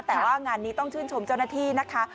แต่ว่างานนี้ต้องชื่นชมเจ้าหน้าที่นะคะ